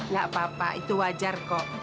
gak apa apa itu wajar kok